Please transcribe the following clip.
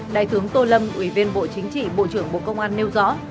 đại tướng tô lâm ủy viên bộ chính trị bộ trưởng bộ công an nêu rõ